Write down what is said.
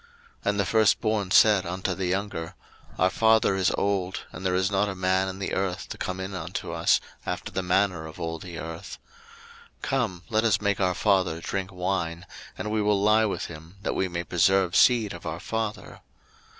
01:019:031 And the firstborn said unto the younger, Our father is old, and there is not a man in the earth to come in unto us after the manner of all the earth: 01:019:032 Come, let us make our father drink wine, and we will lie with him, that we may preserve seed of our father.